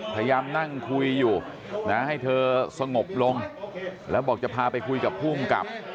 พยายามนั่งคุยอยู่นะให้เธอสงบลงแล้วบอกจะพาไปคุยกับภูมิกับ